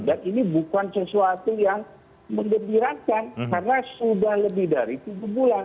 dan ini bukan sesuatu yang menggembirakan karena sudah lebih dari tujuh bulan